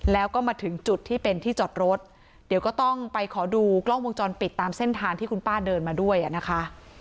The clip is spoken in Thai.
แล้วก็มาถึงจุดที่เป็นที่จอดรถเดี๋ยวก็ต้องไปขอดูกล้องวงจรปิดตามเส้นทางที่คุณป้าเดินมาด้วยอ่ะนะคะ